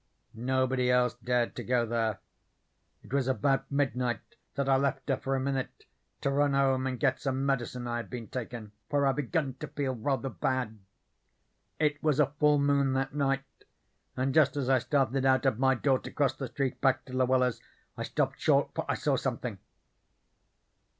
Nobody else dared to go there. It was about midnight that I left her for a minute to run home and get some medicine I had been takin', for I begun to feel rather bad. "It was a full moon that night, and just as I started out of my door to cross the street back to Luella's, I stopped short, for I saw something."